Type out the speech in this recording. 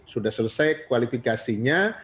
sudah selesai kualifikasinya